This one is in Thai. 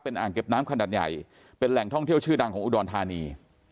อ่างเก็บน้ำขนาดใหญ่เป็นแหล่งท่องเที่ยวชื่อดังของอุดรธานี